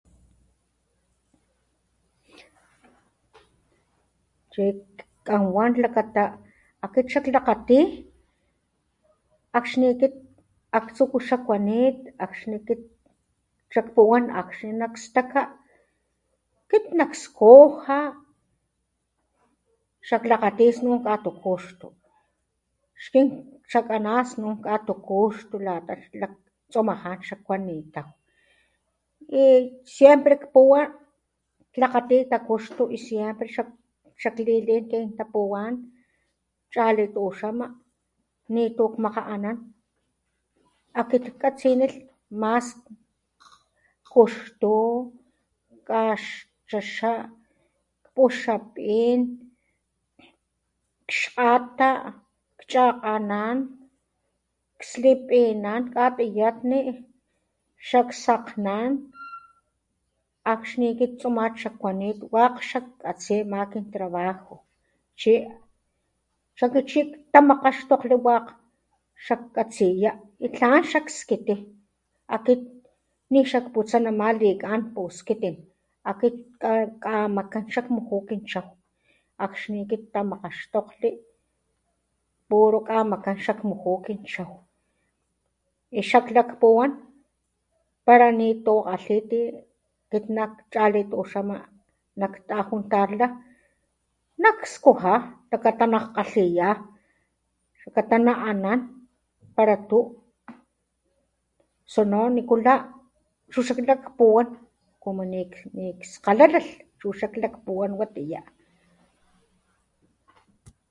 Chi kán wan xlakata akit xaklakgati axni akit aktsujko xakuanit axni akit xakpuwán axni nakstaka kit nak skuja, xaklakgati snun katukuxto. Akin xa'kana snun katukuxto lata laktsumajan xakuanitaw y siempre kpuwa klakgati takuxto y siempre xaklilin kin tapuwán chali tuxama nitu kmakga'anan akit katsinilh más kuxtu, jka' chaxa kpuxa pín, xkgata, chakganan, slipinan katiyatni, xak sakgnan akxni akit tsumat xakuanit wak xak katsi ma kin trabajo. akxni akit ktamakgaxtokgli wak xakkatsiya y tlan xakskiti, akit nixakputsa nama likán nama puskitin akit puru kamakan xakmuju kin chaw akxni akit ktamakgaxtokgli puru kamakan xak muju kin chaw nachu xak lakpuwan para nitu kgalhi chali tuxama naktajuntarla nakskuja xlakata najkgalhiya xlakata na'anan para tu, sino nikula chu xaklakpuwan como nikskgalalalh chu xaklakpuwan watiya.